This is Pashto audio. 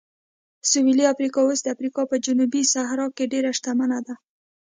سویلي افریقا اوس د افریقا په جنوبي صحرا کې ډېره شتمنه ده.